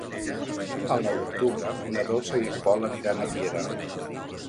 El nou d'octubre na Dolça i en Pol aniran a Piera.